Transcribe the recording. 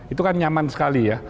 itu kan nyaman sekali ya